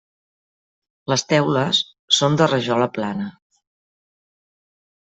Les teules són de rajola plana.